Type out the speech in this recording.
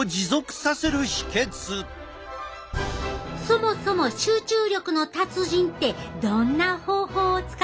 そもそも集中力の達人ってどんな方法を使ってると思う？